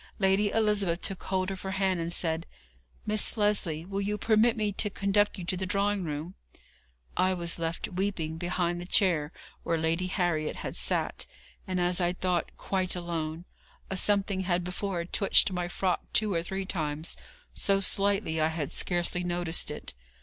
Lady Elizabeth took hold of her hand, and said: 'Miss Lesley, will you permit me to conduct you to the drawing room?' I was left weeping behind the chair where Lady Harriet had sate, and, as I thought, quite alone. A something had before twitched my frock two or three times, so slightly I had scarcely noticed it.